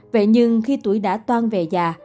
vậy nhưng khi tuổi đã toan về già